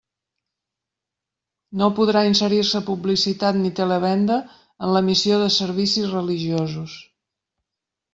No podrà inserir-se publicitat ni televenda en l'emissió de servicis religiosos.